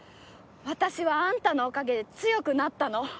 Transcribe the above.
私はあんたのおかげで強くなったの。